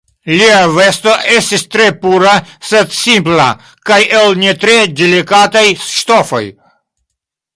Lia vesto estis tre pura, sed simpla, kaj el ne tre delikataj ŝtofoj.